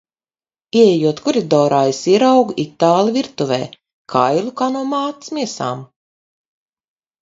Ieejot koridorā, es ieraugu itāli virtuvē, kailu kā no mātes miesām.